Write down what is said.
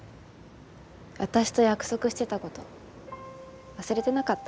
私と約束してたこと忘れてなかった？